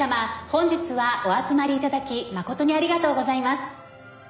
本日はお集まり頂き誠にありがとうございます」